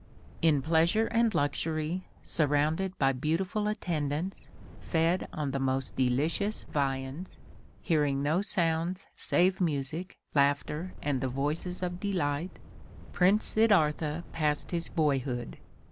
In pleasure and luxury, surrounded by beautiful attendants, fed on the most delicious viands, hearing no sounds save music, laughter and the voices of delight, Prince Siddartha passed his boyhood.